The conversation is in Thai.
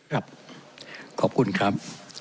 ครับขอบคุณครับ